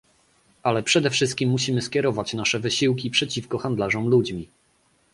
Ale przede wszystkim musimy skierować nasze wysiłki przeciwko handlarzom ludźmi